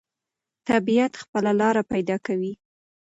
طبیعت خپله لاره پیدا کوي.